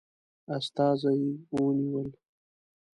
استازي ونیول.